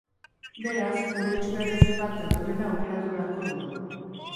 Beraz, gure itxurarekin bat datorrena aukeratu beharko dugu.